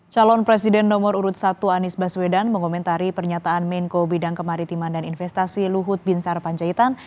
calon presiden nomor urut satu anies baswedan mengomentari pernyataan menko bidang kemaritiman dan investasi luhut bin sarpanjaitan